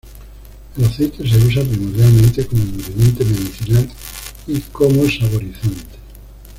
El aceite se usa primordialmente como ingrediente medicinal y como saborizante.